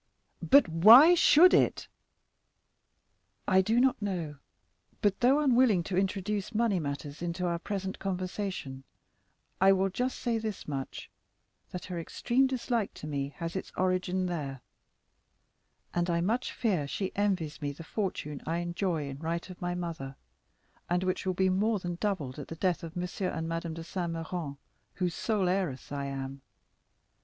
"But why should it?" "I do not know; but, though unwilling to introduce money matters into our present conversation, I will just say this much—that her extreme dislike to me has its origin there; and I much fear she envies me the fortune I enjoy in right of my mother, and which will be more than doubled at the death of M. and Mme. de Saint Méran, whose sole heiress I am.